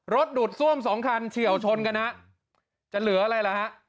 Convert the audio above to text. ดูดซ่วมสองคันเฉียวชนกันฮะจะเหลืออะไรล่ะฮะ